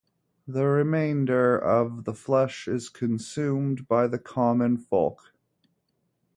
The remainder of the flesh is consumed by the common folk.